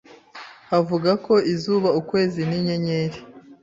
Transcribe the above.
havuga ko izuba, ukwezi, n’inyenyeri